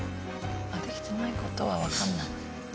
できてない事はわかんない。